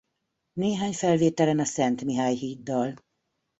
Néhány felvételen a Szent Mihály híddal.